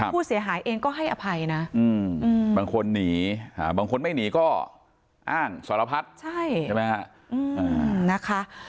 ผู้เสียหายเองก็ให้อภัยนะบางคนหนีบางคนไม่หนีก็อ้างสารพัดใช่ไหมฮะนะคะ